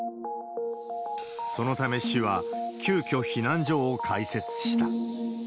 そのため、市は急きょ避難所を開設した。